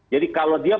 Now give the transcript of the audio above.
jadi kalau dia